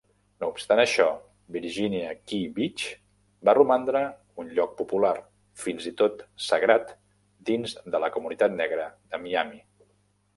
No obstant això, Virginia Key Beach va romandre un lloc popular, fins i tot sagrat dins de la comunitat negre de Miami.